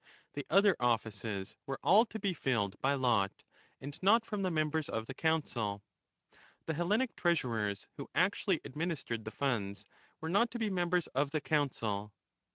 The other offices were all to be filled by lot, and not from the members of the Council. The Hellenic Treasurers who actually adminis tered the funds were not to be members of the Council.